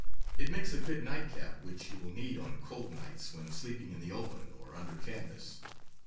It makes a good nightcap, which you will need on cold nights when sleeping in the open or under canvas.